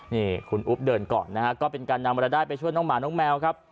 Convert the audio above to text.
นี่คุณอุ๊บเดินก่อนนะฮะก็เป็นการนำรายได้ไปช่วยน้องหมาน้องแมวครับ